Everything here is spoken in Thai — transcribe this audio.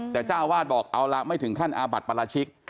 แต่เจ้าอาวาสบอกเอาละไม่ถึงขั้นอาบัติปราชิก